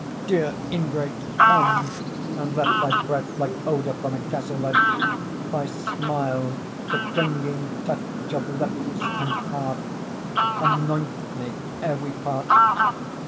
Dear ingrate, come and let Thy breath like odor from a cassolet, Thy smile, the clinging touch of lips and heart Anoint me, ere we part.